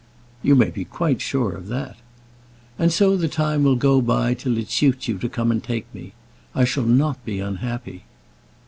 "You may be quite sure of that." "And so the time will go by till it suits you to come and take me. I shall not be unhappy."